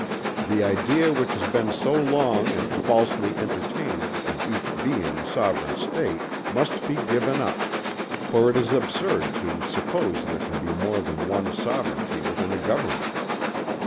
The idea which has been so long and falsely entertained of each being a sovereign State, must be given up; for it is absurd to suppose there can be more than one sovereignty within a government.